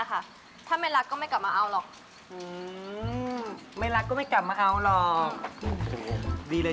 ของขังอะไรก็ไม่มีคลักก็ยังไม่มีด้วย